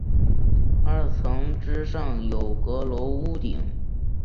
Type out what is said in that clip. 二层之上有阁楼屋顶。